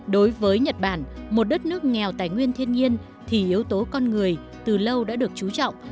đối với nhật bản một đất nước nghèo tài nguyên thiên nhiên thì yếu tố con người từ lâu đã được trú trọng